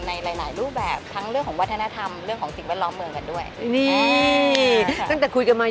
ในหลายรูปแบบทั้งเรื่องของวัฒนธรรม